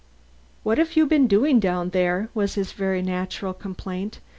"What have you two been doing down there?" was his very natural complaint.